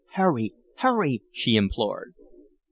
"Hurry; hurry!" she implored.